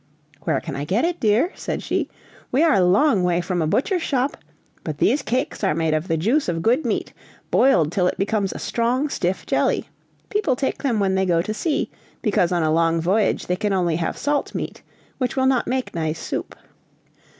"Where can I get it, dear!" said she, "we are a long way from a butcher's shop! but these cakes are made of the juice of good meat, boiled till it becomes a strong, stiff jelly people take them when they go to sea, because on a long voyage they can only have salt meat, which will not make nice soup."